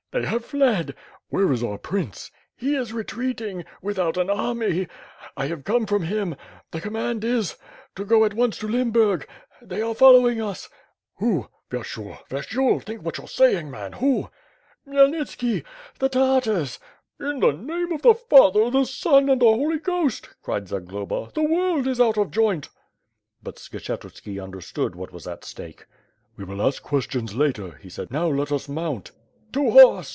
"They have fled." "Where is oux prince." "He is retreating ... without an army ... I have come from him ... the command is ... to go at once to Lemberg ... they are following us." *^ho? Vyershul, Vyershul! Think what you're saying man, who?" "Khymelnitski— the Tartars!" "In the name of the Father, the Son and the Holy Ghost!" cried Zagloba, "The world is out of joint." But Skshetuski understood what was at stake. "We will ask questions later,' 'he said, "now let us mount." "To horse!